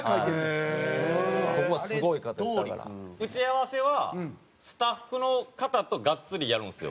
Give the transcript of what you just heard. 打ち合わせはスタッフの方とがっつりやるんですよ。